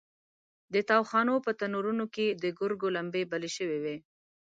د تاوخانو په تنورونو کې د ګرګو لمبې بلې شوې وې.